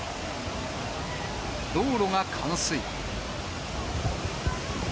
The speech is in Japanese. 道路が冠水。